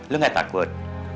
lo gak takut